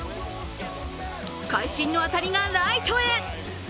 会心の当たりがライトへ。